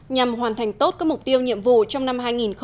nhằm hoàn thành tốt các mục tiêu nhiệm vụ trong năm hai nghìn một mươi bảy